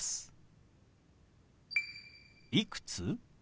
「いくつ？」。